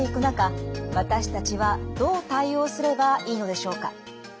私たちはどう対応すればいいのでしょうか。